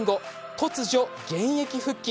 突如、現役復帰。